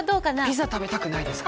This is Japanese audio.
ピザ食べたくないですか？